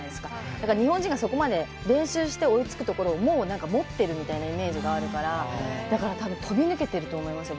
だから日本人がそこまで練習して追いつくところを持ってるみたいなイメージがあるからだから飛び抜けてると思いますよ